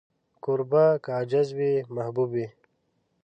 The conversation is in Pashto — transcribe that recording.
کوربه که عاجز وي، محبوب وي.